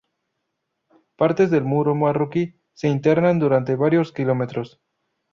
Partes del muro marroquí se internan durante varios km.